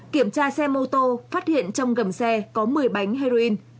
kiểm tra xe mô tô phát hiện trong gầm xe có một mươi bánh heroin